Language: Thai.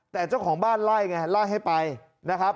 แต่เจ้าของบ้านไล่ไงไล่ให้ไปนะครับ